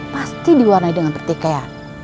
pasti diwarnai dengan pertikaian